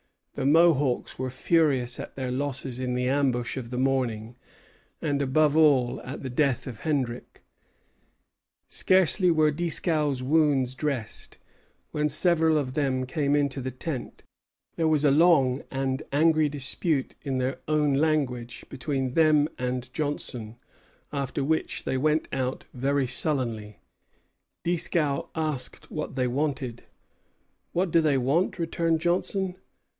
The Mohawks were furious at their losses in the ambush of the morning, and above all at the death of Hendrick. Scarcely were Dieskau's wounds dressed, when several of them came into the tent. There was a long and angry dispute in their own language between them and Johnson, after which they went out very sullenly. Dieskau asked what they wanted. "What do they want?" returned Johnson.